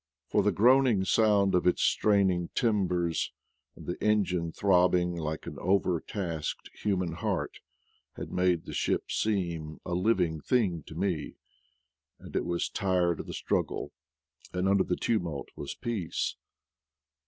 For the groaning sound of its straining timbers, and the engine throbbing like an overtasked human heart, had made the ship seem a living thing to me ; and it was tired of the struggle, and under the tumult was peace.